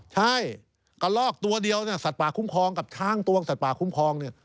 ใช่กระลอกตัวเดียวเนี่ยสัตว์ป่าคุ้มครองกับช้างตัวสัตว์ป่าคุ้มครองเนี่ย